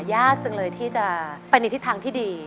ยากจังเลยที่จะไปในทิศทางที่ดี